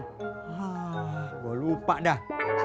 gue lupa dah